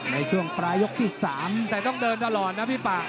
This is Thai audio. ในช่วงปลายยกที่๓แต่ต้องเดินตลอดนะพี่ป่า